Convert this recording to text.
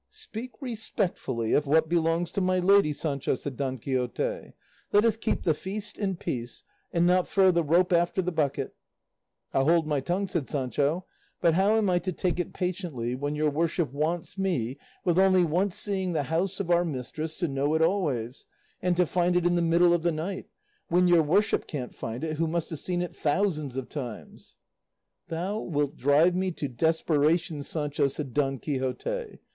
"Speak respectfully of what belongs to my lady, Sancho," said Don Quixote; "let us keep the feast in peace, and not throw the rope after the bucket." "I'll hold my tongue," said Sancho, "but how am I to take it patiently when your worship wants me, with only once seeing the house of our mistress, to know always, and find it in the middle of the night, when your worship can't find it, who must have seen it thousands of times?" "Thou wilt drive me to desperation, Sancho," said Don Quixote.